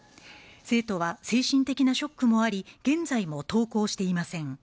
生徒は精神的なショックもあり現在も登校していません